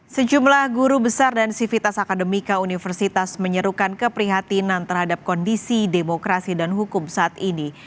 sejumlah guru besar dan sivitas akademika universitas menyerukan keprihatinan terhadap kondisi demokrasi dan hukum saat ini